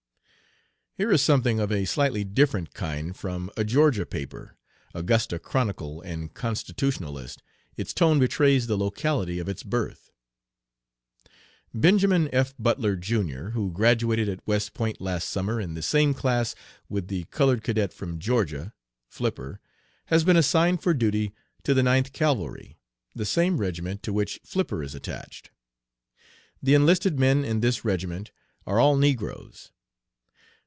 Here is something of a slightly different kind from a Georgia paper Augusta Chronicle and Constitutionalist. Its tone betrays the locality of its birth. "Benjamin F. Butler, Jr., who graduated at West Point last summer in the same class with the colored cadet from Georgia, Flipper, has been assigned for duty to the Ninth Cavalry, the same regiment to which Flipper is attached. The enlisted men in this regiment are all negroes.